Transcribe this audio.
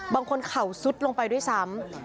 เข่าซุดลงไปด้วยซ้ำ